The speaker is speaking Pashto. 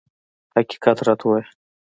حقیقت راته ووایه.